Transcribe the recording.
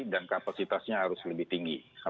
dan kapasitasnya harus lebih tinggi